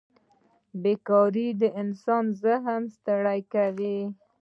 بېکارۍ د انسان ذهن ستړی کوي.